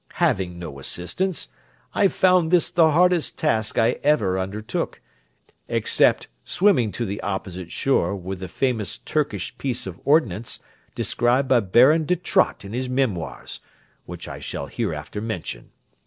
Having no assistance, I found this the hardest task I ever undertook, except swimming to the opposite shore with the famous Turkish piece of ordnance, described by Baron de Tott in his Memoirs, which I shall hereafter mention.